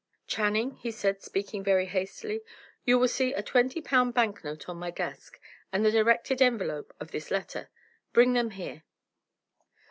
"Channing," he said, speaking very hastily, "you will see a twenty pound bank note on my desk, and the directed envelope of this letter; bring them here."